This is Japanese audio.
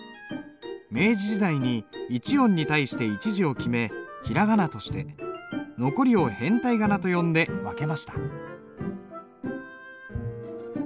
明治時代に一音に対して一字を決め平仮名として残りを変体仮名と呼んで分けました。